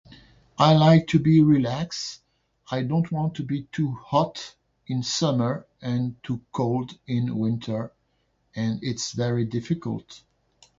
I like to be relax. I don't want to be too hot in summer and too cold in winter, and it's very difficult.